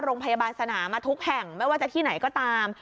โรงพยาบาลสนามมาทุกแห่งไม่ว่าจะที่ไหนก็ตาม